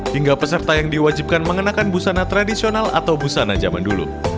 hingga peserta yang diwajibkan mengenakan busana tradisional atau busana zaman dulu